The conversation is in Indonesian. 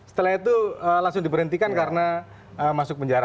setelah itu langsung diberhentikan karena masuk penjara